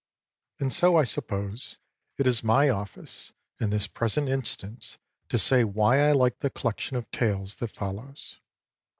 And so, I suppose, it is my office, in this present instance, to say why I like the collection of tales that follows.